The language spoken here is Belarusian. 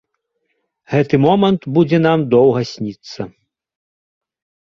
Гэты момант будзе нам доўга сніцца.